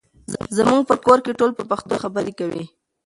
زموږ په کور کې ټول په پښتو خبرې کوي.